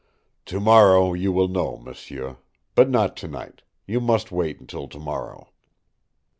"Tomorrow you will know, m'sieu. But not to night. You must wait until tomorrow."